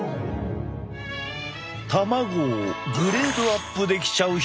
卵をグレードアップできちゃう秘密。